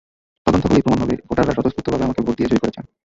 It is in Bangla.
তদন্ত হলেই প্রমাণ হবে ভোটাররা স্বতঃস্ফূর্তভাবে আমাকে ভোট দিয়ে জয়ী করেছেন।